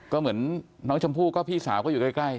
ก็เหมือนน้องชมพู่ก็พี่สาวก็อยู่ใกล้